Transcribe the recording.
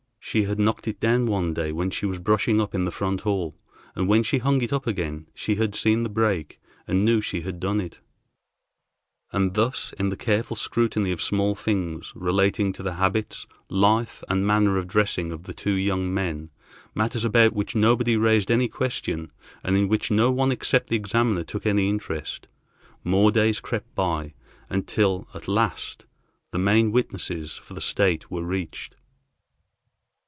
She had knocked it down one day when she was brushing up in the front hall, and when she hung it up again, she had seen the break, and knew she had done it. And thus, in the careful scrutiny of small things, relating to the habits, life, and manner of dressing of the two young men, matters about which nobody raised any question, and in which no one except the examiner took any interest, more days crept by, until, at last, the main witnesses for the State were reached.